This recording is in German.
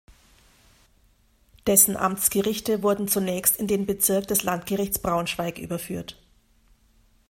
Dessen Amtsgerichte wurden zunächst in den Bezirk des Landgerichts Braunschweig überführt.